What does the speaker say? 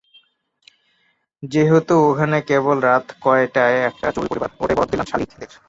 যেহেতু ওখানে কেবল রাত কাটায় একটা চড়ুই পরিবার, ওটাই বরাদ্দ দিলাম শালিকদের।